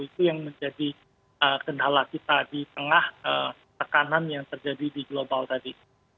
itu yang menjadi kendala kita di tengah tekanan yang terjadi di global tadi